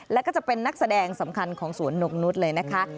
แล้วก็จะเป็นนักแสดงสำคัญของสวนนกนุษย์เลยนะคะ